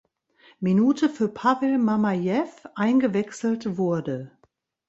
Minute für Pawel Mamajew eingewechselt wurde.